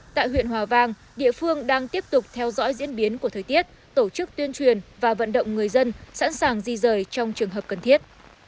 tại huyện hòa vang địa phương đang tiếp tục theo dõi diễn biến của thời tiết tổ chức tuyên truyền và vận động người dân sẵn sàng di rời trong trường hợp cần thiết